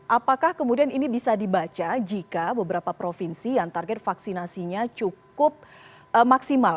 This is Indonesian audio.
apakah kemudian ini bisa dibaca jika beberapa provinsi yang target vaksinasinya cukup maksimal